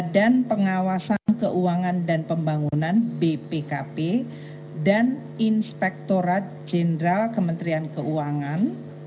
dan pengawasan keuangan dan pembangunan bpkp dan inspektorat jenderal kementerian keuangan